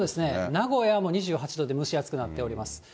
名古屋も２８度で蒸し暑くなっております。